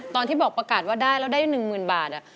ตอนที่บอกประกาศว่าได้แล้วได้๑๐๐๐บาท